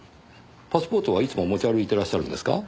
パスポートはいつも持ち歩いてらっしゃるんですか？